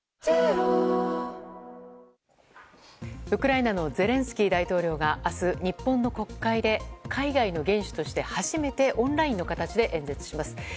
ウクライナのゼレンスキー大統領が明日日本の国会で海外の元首として初めてオンラインの形で演説します。